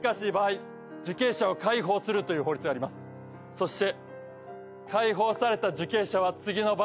そして。